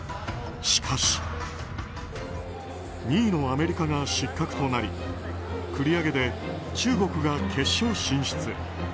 しかし２位のアメリカが失格となり繰り上げで中国が決勝進出。